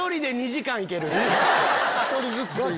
１人ずつでいい。